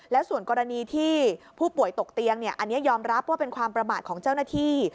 แล้วส่วนกรณีที่ผู้ป่วยตกเตียงอันนี้ยอมรับว่าเป็นความประมาทของเจ้าหน้าที่